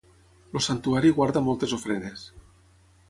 El santuari guarda moltes ofrenes.